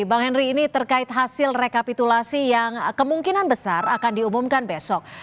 bang henry ini terkait hasil rekapitulasi yang kemungkinan besar akan diumumkan besok